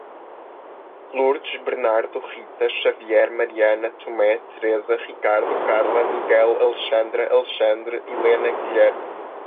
Lurdes, Bernardo, Rita, Xavier, Mariana, Tomé, Teresa, Ricardo, Carla, Miguel, Alexandra, Alexandre, Helena, Guilherme.